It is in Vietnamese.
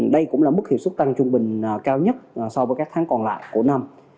đây cũng là mức hiệu suất tăng trung bình cao nhất so với các tháng còn lại của năm